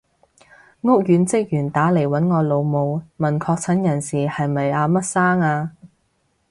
屋苑職員打嚟搵我老母，問確診人士係咪阿乜生啊？